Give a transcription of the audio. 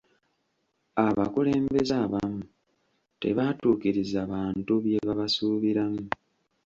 Abakulembeze abamu tebaatuukiriza bantu bye babasuubiramu.